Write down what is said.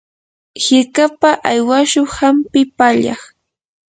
hirkapa aywashun hampi pallaq.